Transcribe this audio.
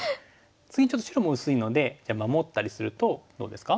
次ちょっと白も薄いのでじゃあ守ったりするとどうですか？